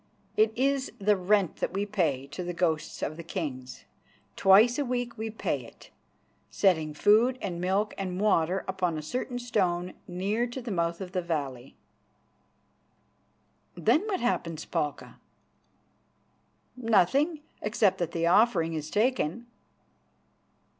It is the rent that we pay to the ghosts of the kings. Twice a week we pay it, setting food and milk and water upon a certain stone near to the mouth of the valley." "Then what happens, Palka?" "Nothing, except that the offering is taken."